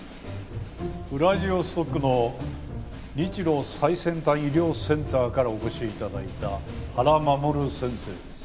ウラジオストクの日露最先端医療センターからお越し頂いた原守先生です。